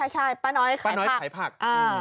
ใช่ป้าน้อยไข่ผัก